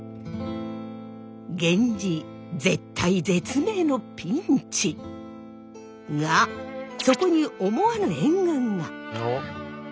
源氏絶体絶命のピンチ！がそこに思わぬ援軍が。